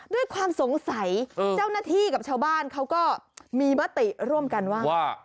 ด้วยความสงสัยเจ้าหน้าที่กับชาวบ้านเขาก็มีมติร่วมกันว่า